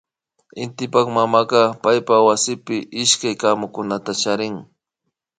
Intipak mamaka paypak wasipi ishkay kamukunata charin